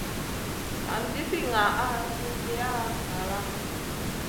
Nan jifi ŋah suhgiya nala ?